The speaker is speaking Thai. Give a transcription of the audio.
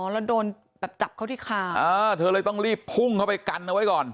แล้วโดนแบบจับเขาที่คาเธอเลยต้องรีบพุ่งเข้าไปกันเอาไว้ก่อน